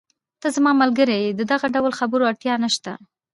ته زما ملګری یې، د دغه ډول خبرو اړتیا نشته.